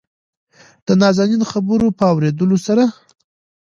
دنازنين خبرو په اورېدلو سره